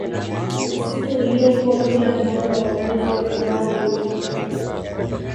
usiku uliokuwa bila mwanga wa mwezi ambao ulifaa